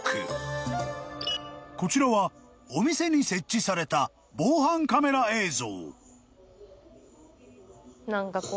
［こちらはお店に設置された防犯カメラ映像］